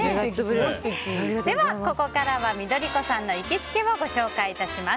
ここからは緑子さんの行きつけをご紹介致します。